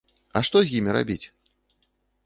А што з імі рабіць?